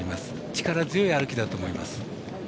力強い歩きだと思います。